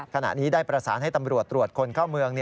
ขณะนี้ได้ประสานให้ตำรวจตรวจคนเข้าเมือง